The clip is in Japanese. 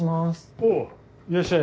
おいらっしゃい。